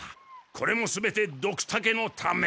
これも全てドクタケのため。